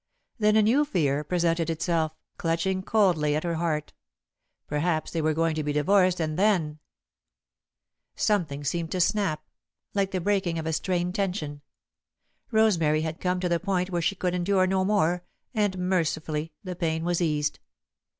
Then a new fear presented itself, clutching coldly at her heart. Perhaps they were going to be divorced and then [Sidenote: Something Snapped] Something seemed to snap, like the breaking of a strained tension. Rosemary had come to the point where she could endure no more, and mercifully the pain was eased.